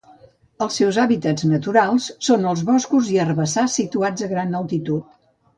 Els seus hàbitats naturals són els boscos i herbassars situats a gran altitud.